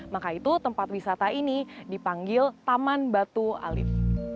maka itu tempat wisata ini dipanggil taman batu alif